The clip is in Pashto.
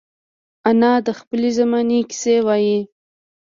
انا د خپلې زمانې کیسې وايي